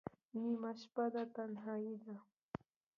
نیمه شپه ده تنهایی ده